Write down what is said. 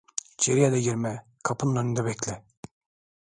İçeriye de girme, kapının önünde bekle.